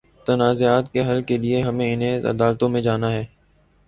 تنازعات کے حل کے لیے ہمیں انہی عدالتوں میں جانا ہے۔